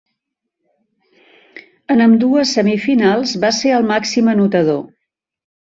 En ambdues semifinals va ser el màxim anotador.